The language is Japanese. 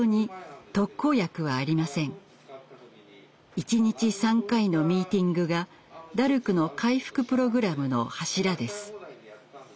一日３回のミーティングがダルクの回復プログラムの柱です。